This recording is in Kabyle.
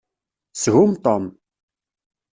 Shum Tom!